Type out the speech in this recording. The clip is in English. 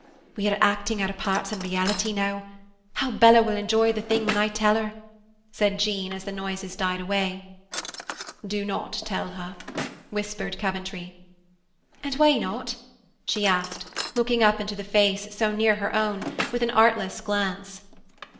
"We are acting our parts in reality now. How Bella will enjoy the thing when I tell her!" said Jean as the noises died away. "Do not tell her," whispered Coventry. "And why not?" she asked, looking up into the face so near her own, with an artless glance.